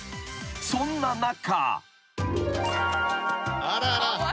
［そんな中］